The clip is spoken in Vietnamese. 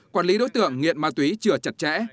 quản lý đối tượng nghiện ma túy chưa chặt chẽ